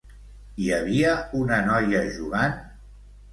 Hi havia una noia jugant?